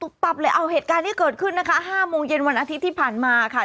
ปั๊บเลยเอาเหตุการณ์ที่เกิดขึ้นนะคะ๕โมงเย็นวันอาทิตย์ที่ผ่านมาค่ะ